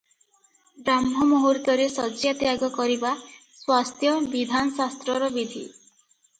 ବ୍ରାହ୍ମମୁହୂର୍ତ୍ତରେ ଶଯ୍ୟାତ୍ୟାଗ କରିବା ସ୍ୱାସ୍ଥ୍ୟ - ବିଧାନ ଶାସ୍ତ୍ରର ବିଧି ।